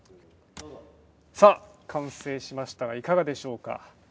完成しましたがいかがでしょうか。